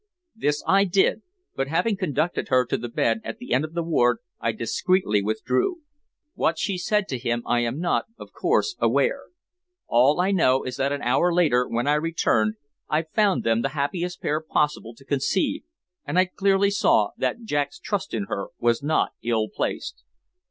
This I did, but having conducted her to the bed at the end of the ward I discreetly withdrew. What she said to him I am not, of course, aware. All I know is that an hour later when I returned I found them the happiest pair possible to conceive, and I clearly saw that Jack's trust in her was not ill placed.